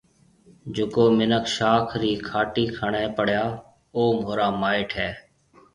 جڪو مِنک شاخ رِي کهاٽِي کڻيَ پڙيا او مهورا مائيٽ هيَ۔